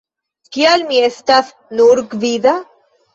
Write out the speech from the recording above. Kial mi estas "nur gvida"?